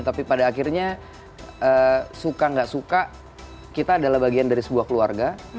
tapi pada akhirnya suka nggak suka kita adalah bagian dari sebuah keluarga